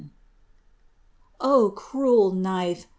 O cruel knife!